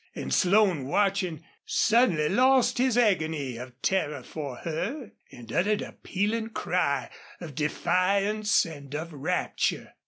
And Slone, watching, suddenly lost his agony of terror for her and uttered a pealing cry of defiance and of rapture.